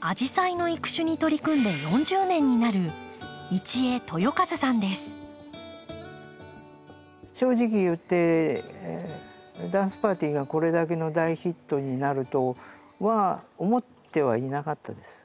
アジサイの育種に取り組んで４０年になる正直言ってダンスパーティーがこれだけの大ヒットになるとは思ってはいなかったです。